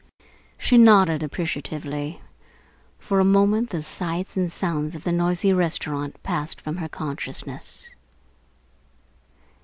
She nodded appreciatively. For a moment the sights and sounds of the noisy restaurant passed from her consciousness.